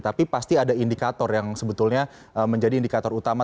tapi pasti ada indikator yang sebetulnya menjadi indikator utama